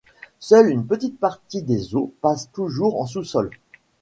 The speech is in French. Seule une petite partie des eaux passe toujours en sous-sol.